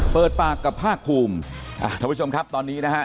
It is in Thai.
เปิดปากกับภาคภูมิอ่าท่านผู้ชมครับตอนนี้นะฮะ